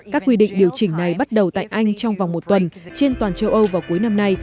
các quy định điều chỉnh này bắt đầu tại anh trong vòng một tuần trên toàn châu âu vào cuối năm nay